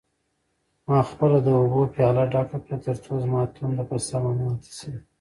ما خپله د اوبو پیاله ډکه کړه ترڅو زما تنده په سمه ماته شي.